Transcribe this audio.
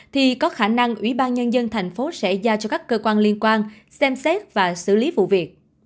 thì có khả năng ủy ban nhân dân thành phố sẽ giao cho các cơ quan liên quan xem xét và xử lý vụ việc